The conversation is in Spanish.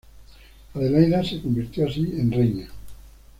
Adelaida se convirtió así en reina.